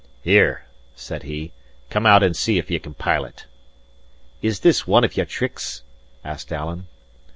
"Here," said he, "come out and see if ye can pilot." "Is this one of your tricks?" asked Alan.